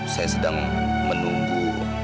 saya sedang menunggu